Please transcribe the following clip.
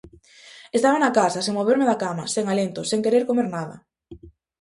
Estaba na casa, sen moverme da cama, sen alento, sen querer comer nada.